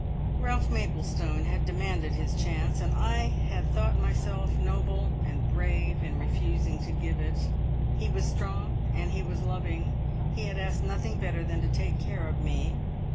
Ralph Maplestone had demanded his chance, and I had thought myself noble and brave in refusing to give it. He was strong and he was loving; he had asked nothing better than to take care of me.